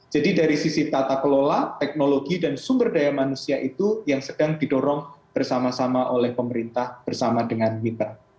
jadi dari sisi tata kelola teknologi dan sumber daya manusia itu yang sedang didorong bersama sama oleh pemerintah bersama dengan wipra